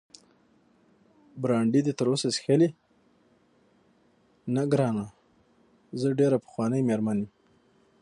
برانډي دې تراوسه څښلی؟ نه ګرانه، زه ډېره پخوانۍ مېرمن یم.